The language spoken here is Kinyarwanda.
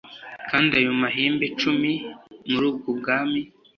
kandi ayo mahembe cumi muri ubwo bwami